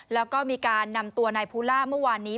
แล้วก็มีการนำตัวนายภูล่าเมื่อวานนี้